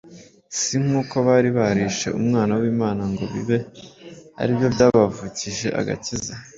si n’uko bari barishe Umwana w’Imana ngo bibe ari byo byabavukije agakiza